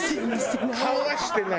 顔はしてない。